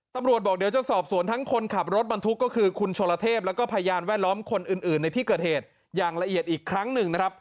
ตำรวจบอกเดี๋ยวจะสอบสวนทั้งคนขับรถบรรทุกก็คือคุณโชลเทพแล้วก็พยานแวดล้อมคนอื่นในที่เกิดเหตุอย่างละเอียดอีกครั้งหนึ่งนะครับ